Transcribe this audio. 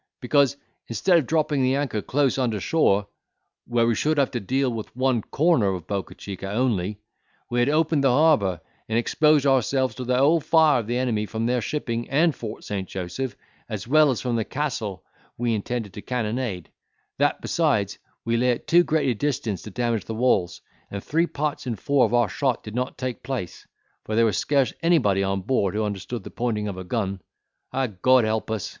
because, instead of dropping anchor close under shore, where we should have to deal with one corner of Bocca Chica only, we had opened the harbour, and exposed ourselves to the whole fire of the enemy from their shipping and Fort St. Joseph, as well as from the castle we intended to cannonade; that, besides, we lay at too great a distance to damage the walls, and three parts in four of our shot did not take place; for there was scarce anybody on board who understood the pointing of a gun. Ah! God help us!"